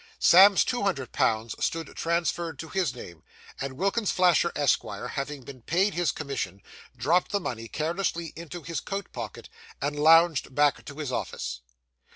Sam's two hundred pounds stood transferred to his name, and Wilkins Flasher, Esquire, having been paid his commission, dropped the money carelessly into his coat pocket, and lounged back to his office.